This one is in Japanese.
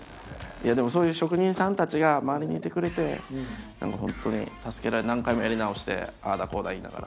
でもそういう職人さんたちが周りにいてくれて何か本当に何回もやり直してああだこうだ言いながら。